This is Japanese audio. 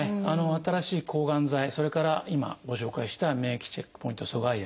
新しい抗がん剤それから今ご紹介した免疫チェックポイント阻害薬